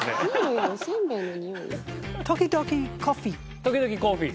時々コーヒー？